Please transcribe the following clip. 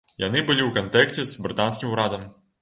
Яны былі ў кантакце з брытанскім урадам.